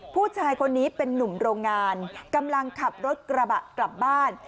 ผู้ชายคนนี้เป็นนุ่มโรงงานกำลังขับรถกระบะกลับบ้าน